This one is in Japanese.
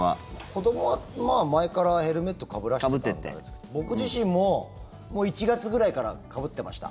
子どもは前からヘルメットかぶらせてたのであれですが僕自身も、もう１月ぐらいからかぶってました。